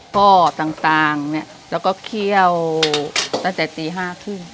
ข้อต่างเนี่ยแล้วก็เคี่ยวตั้งแต่ตี๕ครึ่ง